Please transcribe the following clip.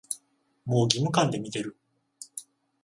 もう義務感で見てる